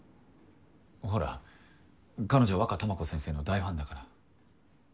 ほら彼女ワカタマコ先生の大ファンだから。